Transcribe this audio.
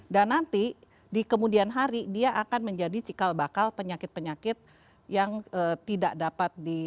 dan nanti di kemudian hari dia akan menjadi cikal bakal penyakit penyakit yang tidak dapat di